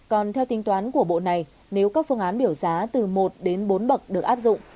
còn theo tính toán của bộ này nếu các phương án biểu giá từ một đến bốn bậc được áp dụng